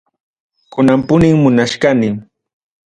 Kunam punim munachkani.